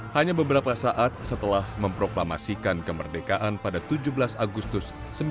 hanya beberapa saat setelah memproklamasikan kemerdekaan pada tujuh belas agustus seribu sembilan ratus empat puluh